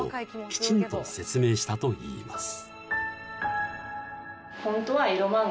きちんと説明したといいます］